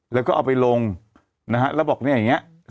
แล้วก็เอาไปลงนะฮะแล้วบอกเนี่ยอย่างนี้